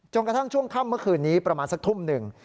กระทั่งช่วงค่ำเมื่อคืนนี้ประมาณสักทุ่มหนึ่ง